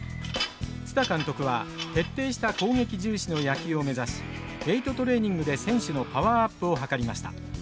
蔦監督は徹底した攻撃重視の野球を目指しウエイトトレーニングで選手のパワーアップを図りました。